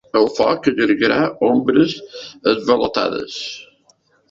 El foc allargarà ombres esvalotades.